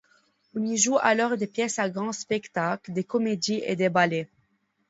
On y joue alors des pièces à grand spectacle, des comédies et des ballets.